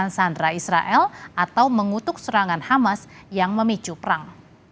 dan mereka juga menyalahkan penyelamatannya dengan mengutuk serangan hamas yang memicu perang